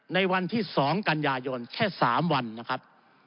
ในวันที่๒กันยายนแค่๓วันนะครับ